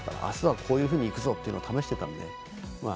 あすはこういうふうにいくぞというのを試していたので。